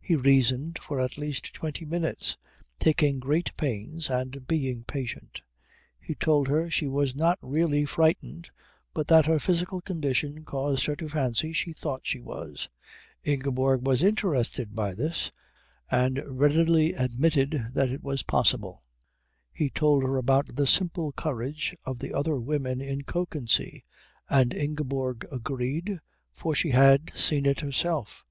He reasoned for at least twenty minutes, taking great pains and being patient. He told her she was not really frightened, but that her physical condition caused her to fancy she thought she was. Ingeborg was interested by this, and readily admitted that it was possible. He told her about the simple courage of the other women in Kökensee, and Ingeborg agreed, for she had seen it herself.